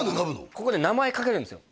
ここね名前書けるんですよ